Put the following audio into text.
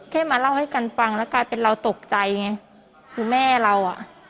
แค่มาเล่าให้กันฟังแล้วกลายเป็นเราตกใจไงคือแม่เราอ่ะ